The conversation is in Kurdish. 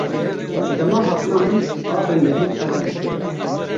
Sedema hatina min a bingehîn ev e.